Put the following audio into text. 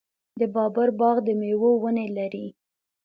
د بابر باغ د میوو ونې لري.